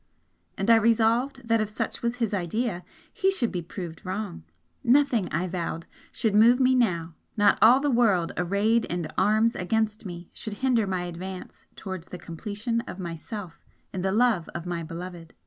And I resolved that if such was his idea, he should be proved wrong. Nothing, I vowed, should move me now not all the world arrayed in arms against me should hinder my advance towards the completion of myself in the love of my Beloved!